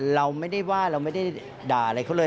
เราไม่ได้ว่าเราไม่ได้ด่าอะไรเขาเลย